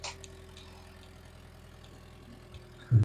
Chimeneas-Dullar es el equipo de fútbol local.